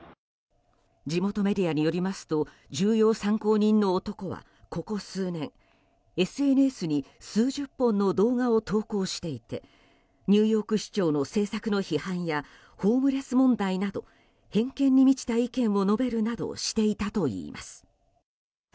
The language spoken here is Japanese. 地元メディアによりますと重要参考人の男はここ数年、ＳＮＳに数十本の動画を投稿していてニューヨーク市長の政策の批判やホームレス問題など偏見に満ちた意見を述べるなどしていたといいます。